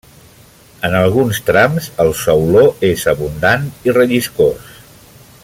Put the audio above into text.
En alguns trams el sauló és abundant i relliscós.